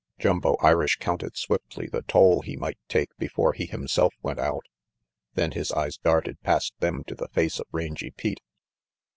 Jumbo Irish counted swiftly the toll he might take before he himself went out; then his eyes darted past them to the face of Rangy Pete.